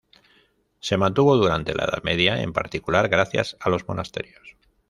Se mantuvo durante la Edad media, en particular, gracias a los monasterios.